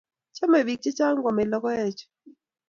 Chame piik chechang' kwamey logoek chu.